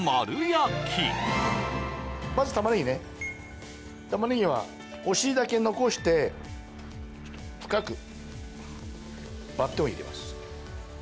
まず玉ねぎね玉ねぎはお尻だけ残して深くバッテンを入れます